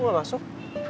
lu gak masuk